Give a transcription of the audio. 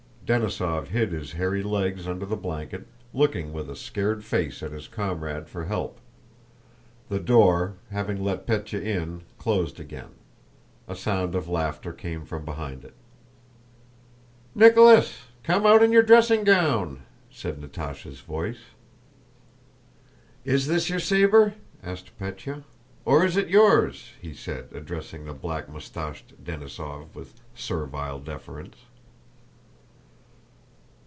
Denísov hid his hairy legs under the blanket, looking with a scared face at his comrade for help. The door, having let Pétya in, closed again. A sound of laughter came from behind it. "Nicholas! Come out in your dressing gown!" said Natásha's voice. "Is this your saber?" asked Pétya. "Or is it yours?" he said, addressing the black mustached Denísov with servile deference.